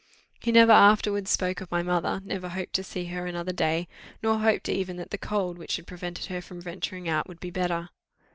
He never afterwards spoke of my mother never hoped to see her another day nor hoped even that the cold, which had prevented her from venturing out, would be better.